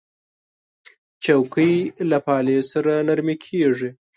چوکۍ له پالې سره نرمې کېږي.